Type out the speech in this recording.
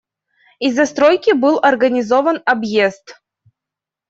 Из-за стройки был организован объезд.